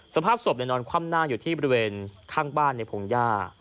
สภาพศพนอนคว่ำหน้าอยู่ที่บริเวณข้างบ้านในพงหญ้า